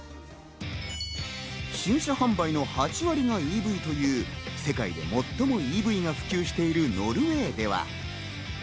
新車販売の８割がＥＶという世界で最もＥＶが普及しているノルウェーでは。